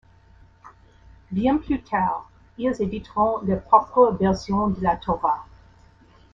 Bien plus tard, ils éditeront leur propre version de la Torah.